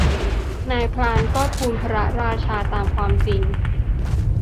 นายพรานก็ทูลพระราชาตามความจริง